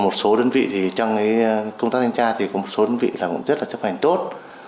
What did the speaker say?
trong công tác thanh tra thì có một số đơn vị rất chấp hành tốt